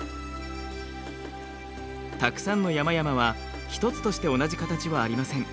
たくさんの山々は１つとして同じ形はありません。